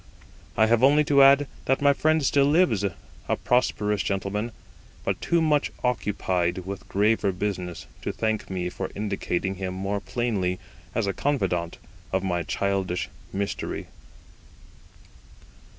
I have only to add, that my friend still lives, a prosperous gentleman, but too much occupied with graver business to thank me for indicating him more plainly as a confidant of my childish mystery.